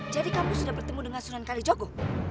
jadi kamu sudah bertemu dengan sunan kalijogo